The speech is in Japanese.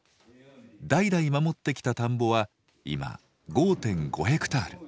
代々守ってきた田んぼは今５．５ヘクタール。